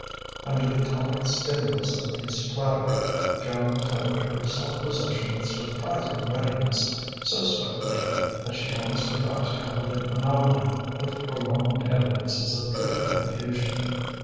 Under the tonic stimulus of his flattery, Joan recovered her self possession with surprising readiness so swiftly that she almost forgot to cover the phenomenon with prolonged evidences of pretty confusion.